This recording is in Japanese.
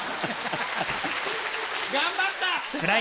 頑張った！